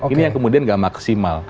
ini yang kemudian gak maksimal